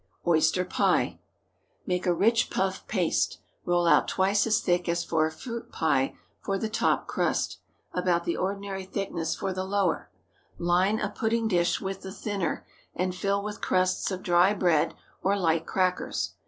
OYSTER PIE. ✠ Make a rich puff paste; roll out twice as thick as for a fruit pie for the top crust—about the ordinary thickness for the lower. Line a pudding dish with the thinner, and fill with crusts of dry bread or light crackers.